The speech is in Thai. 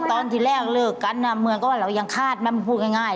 ตอนที่แรกเลิกกันมีว่าเรายังคาดอกลายเป็นพูดง่าย